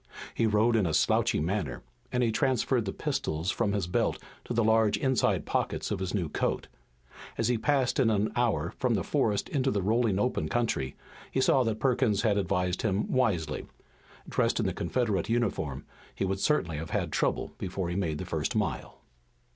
He rode in a slouchy manner, and he transferred the pistols from his belt to the large inside pockets of his new coat. As he passed in an hour from the forest into a rolling open country, he saw that Perkins had advised him wisely. Dressed in the Confederate uniform he would certainly have had trouble before he made the first mile.